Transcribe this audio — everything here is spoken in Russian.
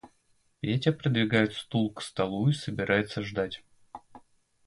Петя придвигает стул к столу и собирается ждать.